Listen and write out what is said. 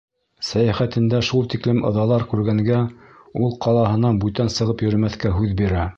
Сәйәхәтендә шул тиклем ыҙалар күргәнгә, ул ҡалаһынан бүтән сығып йөрөмәҫкә һүҙ бирә.